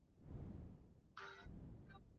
Baba yangu ata foka sana nju ya mpango yake